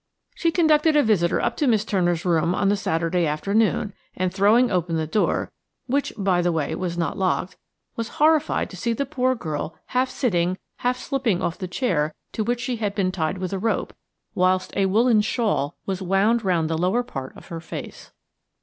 She conducted a visitor up to Miss Turner's room on the Saturday afternoon, and, throwing open the door–which, by the way, was not locked–was horrified to see the poor girl half sitting, half slipping off the chair to which she had been tied with a rope, whilst a woolen shawl was wound round the lower part of her face.